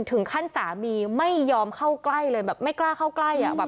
ถึงขั้นสามีไม่ยอมเข้าใกล้เลยแบบไม่กล้าเข้าใกล้อ่ะแบบ